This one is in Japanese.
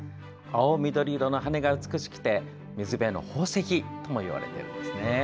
青緑色の羽が美しくて水辺の宝石とも呼ばれているんですね。